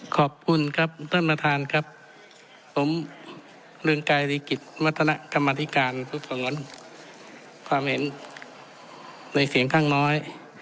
ขอบคุณครับท่านประธานครับผมเรืองไกรริกิจวัฒนากรรมธิการสืบสวนความเห็นในเสียงข้างน้อย